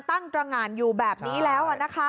ตั้งตรงานอยู่แบบนี้แล้ว